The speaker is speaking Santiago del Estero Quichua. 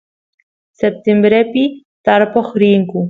septiembrepi tarpoq riyku